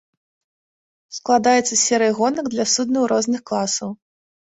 Складаецца з серыі гонак для суднаў розных класаў.